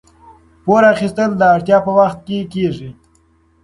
پور اخیستل د اړتیا په وخت کې کیږي.